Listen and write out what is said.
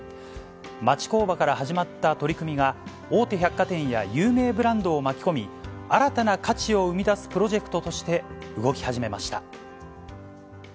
町工場から始まった取り組みが、大手百貨店や有名ブランドを巻き込み、新たな価値を生み出すプロジェクトとして動き始めました。